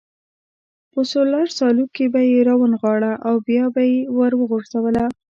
په سور سالو کې به یې را ونغاړله او بیا به یې وروغورځوله.